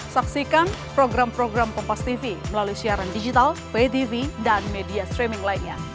saksikan program program kompastv melalui siaran digital btv dan media streaming lainnya